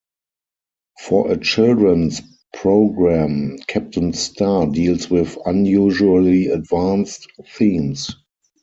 For a children's program, Captain Star deals with unusually advanced themes.